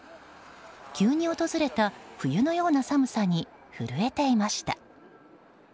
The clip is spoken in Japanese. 急に訪れた冬のような寒さに震えていました。